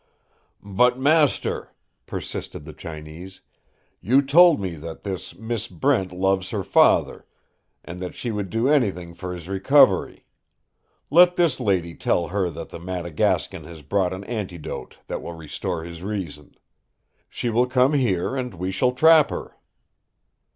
"But, master," persisted the Chinese, "you told me that this Miss Brent loves her father, and that she would do anything for his recovery. Let this lady tell her that the Madagascan has brought an antidote that will restore his reason. She will come here and we shall trap her."